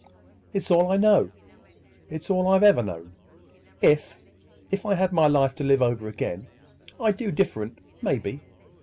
It's all I know. It's all I ever have known. If—if I had my life to live over again, I'd do different, maybe.